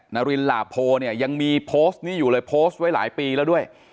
นรินลาโพยังมีนี่อยู่เลยโพสต์ไว้หลายปีแล้วด้วย